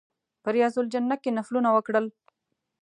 په ریاض الجنه کې نفلونه وکړل.